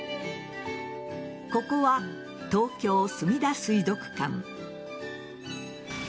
ここは東京・すみだ水族館。